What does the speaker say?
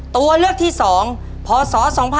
ตัวเลือกที่๒พศ๒๕๖๒